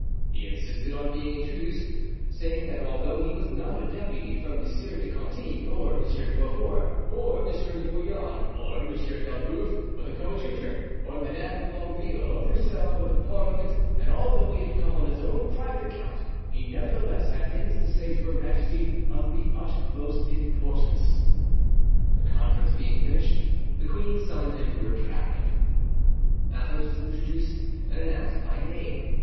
He insisted on being introduced, saying that although he was not a deputy from Monsieur de Conti, or Monsieur de Beaufort, or Monsieur de Bouillon, or Monsieur d'Elbeuf, or the coadjutor, or Madame de Longueville, or Broussel, or the Parliament, and although he had come on his own private account, he nevertheless had things to say to her majesty of the utmost importance. The conference being finished, the queen summoned him to her cabinet. Athos was introduced and announced by name.